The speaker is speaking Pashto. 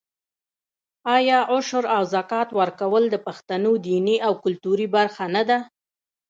آیا عشر او زکات ورکول د پښتنو دیني او کلتوري برخه نه ده؟